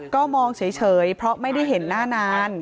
ก็มองเฉยเพราะไม่ได้เห็นหน้านาน